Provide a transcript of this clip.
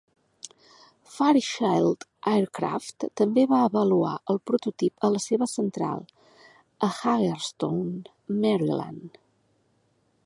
Fairchild Aircraft també va avaluar el prototip a la seva central a Hagerstown, Maryland.